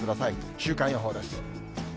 週間予報です。